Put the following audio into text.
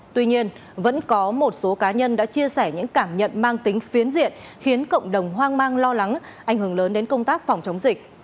tuy nhiên vẫn có một số cá nhân đã chia sẻ những cảm nhận mang tính phiến diện khiến cộng đồng hoang mang lo lắng ảnh hưởng lớn đến công tác phòng chống dịch